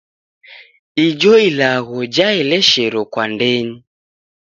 Ijo ilagho jaeleshero kwa ndenyi.